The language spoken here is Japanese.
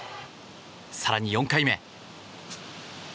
更に４回目。